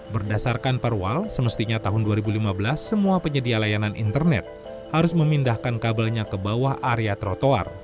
berdasarkan perwal semestinya tahun dua ribu lima belas semua penyedia layanan internet harus memindahkan kabelnya ke bawah area trotoar